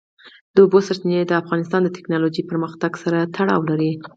د اوبو سرچینې د افغانستان د تکنالوژۍ پرمختګ سره تړاو لري.